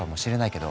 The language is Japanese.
けど。